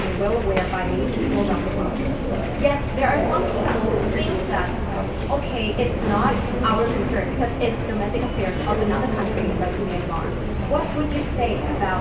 แล้วที่เลือกเพลงที่ร้องบนเวทีก็เป็นเพราะว่าเนื้อเพลงนักโปรกรับสถานการณ์จะเกิดขึ้นในเดือนมาก